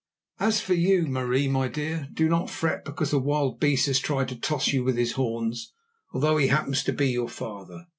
As for you, Marie, my dear, do not fret because a wild beast has tried to toss you with his horns, although he happens to be your father.